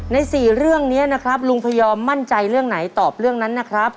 ใน๔เรื่องนี้นะครับลุงพยอมมั่นใจเรื่องไหนตอบเรื่องนั้นนะครับ